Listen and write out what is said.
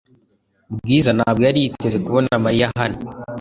Bwiza ntabwo yari yiteze kubona Mariya hano .